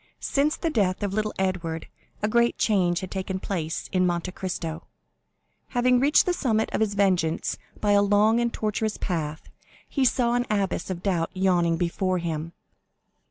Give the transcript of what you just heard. Since the death of little Edward a great change had taken place in Monte Cristo. Having reached the summit of his vengeance by a long and tortuous path, he saw an abyss of doubt yawning before him.